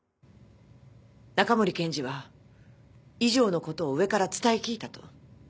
中森検事は以上のことを上から伝え聞いたと。